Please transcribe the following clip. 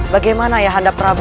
bagaimana ya handa prabu